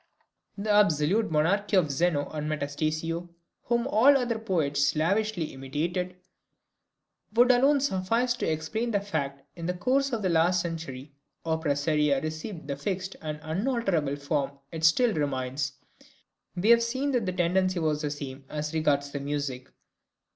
{MOZART'S EARLY OPERAS.} (172) The absolute monarchy of Zeno and Metastasio, whom all other poets slavishly imitated, would alone suffice to explain the fact that in the course of the last century opera seria received the fixed and unalterable form it still retains; we have seen that the tendency was the same as regards the music.